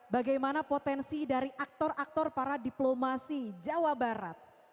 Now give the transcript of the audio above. bagaimana potensi dari aktor aktor para diplomasi jawa barat